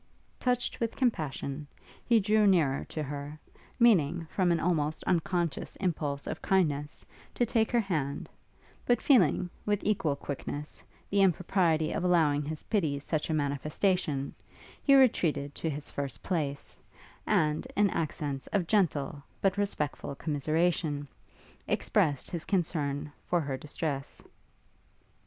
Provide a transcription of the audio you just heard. Touched with compassion, he drew nearer to her, meaning, from an almost unconscious impulse of kindness, to take her hand; but feeling, with equal quickness, the impropriety of allowing his pity such a manifestation, he retreated to his first place, and, in accents of gentle, but respectful commiseration, expressed his concern for her distress.